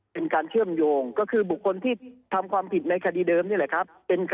เป็นการเชื่อมโยงก็คือบุคคลที่ทำความผิดในคดีเดิมนี่แหละครับ